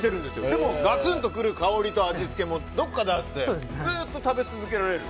でもガツンとくる香りと味付けもどこかであってずっと食べ続けられる。